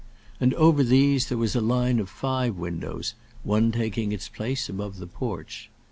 And over these there was a line of five windows, one taking its place above the porch.